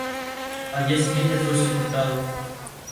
Al día siguiente fue sepultado.